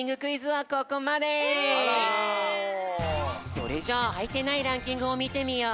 それじゃああいてないランキングをみてみよう。